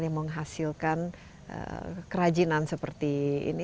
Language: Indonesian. yang menghasilkan kerajinan seperti ini